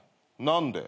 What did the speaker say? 何で？